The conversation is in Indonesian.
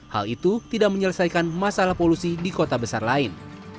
hal itu tidak menyelesaikan masalah polusi di kota besar lain